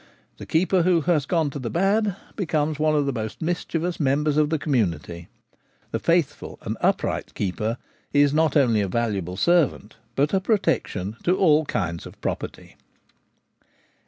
The keeper who has gone to the bad becomes one of the most mischievous members of the community : the faithful and upright keeper is not only a valuable servant, but a protection to all kinds of property.